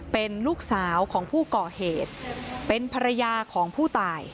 เป็นลูกสาวของผู้ก่อเหตุเป็นภรรยาของผู้ตาย